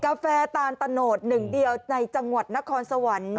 กาแฟตานตะโนดหนึ่งเดียวในจังหวัดนครสวรรค์